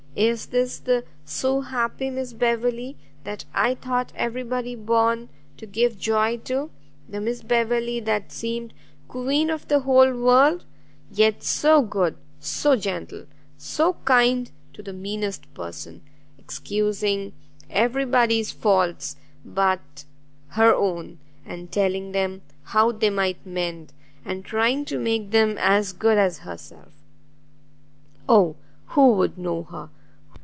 Is this the so happy Miss Beverley, that I thought every body born to give joy to? the Miss Beverley that seemed queen of the whole world! yet so good and so gentle, so kind to the meanest person! excusing every body's faults but her own, and telling them how they might mend, and trying to make them as good as herself! Oh who would know her!